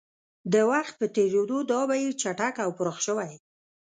د وخت په تېرېدو دا بهیر چټک او پراخ شوی